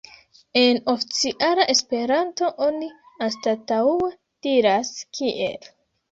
En oficiala Esperanto oni anstataŭe diras "kiel".